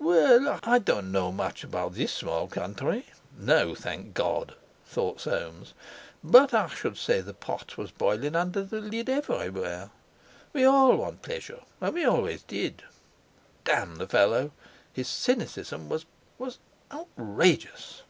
"Well, I don't know much about this small country"—'No, thank God!' thought Soames—"but I should say the pot was boilin' under the lid everywhere. We all want pleasure, and we always did." Damn the fellow! His cynicism was—was outrageous!